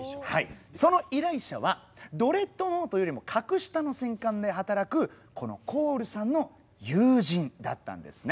その依頼者はドレッドノートよりも格下の戦艦で働くこのコールさんの友人だったんですね。